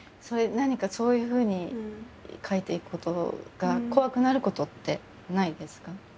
何かそういうふうに書いていくことが怖くなることってないですか？